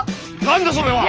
何だそれは！